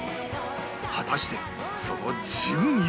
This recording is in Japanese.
果たしてその順位は